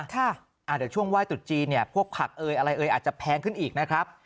เดี๋ยวช่วงไหว้ตุ๊จีนเนี่ยพวกผักเอยอะไรเอ่ยอาจจะแพงขึ้นอีกนะครับ